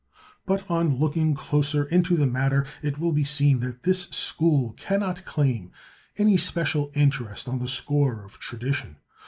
But on looking closer into the matter it will be seen that this school cannot claim any special interest on the score of tradition.